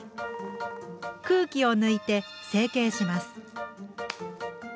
空気を抜いて成形します。